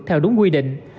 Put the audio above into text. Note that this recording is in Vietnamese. theo đúng quy định